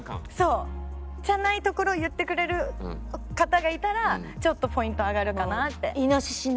じゃない所を言ってくれる方がいたらちょっとポイント上がるかなって。